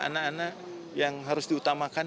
anak anak yang harus diutamakan